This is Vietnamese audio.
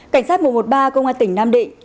cảnh sát mùa một mươi ba công an tỉnh nam định